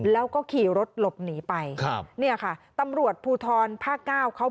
แล้วก็ขี่รถหลบหนีไปนี่ค่ะตำรวจภูทรภาคเก้า